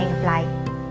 hẹn gặp lại